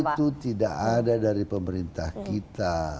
jadi itu tidak ada dari pemerintah kita